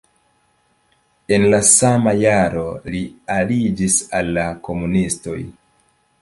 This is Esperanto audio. En la sama jaro li aliĝis al la komunistoj.